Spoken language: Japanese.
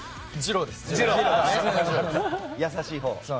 優しいほう。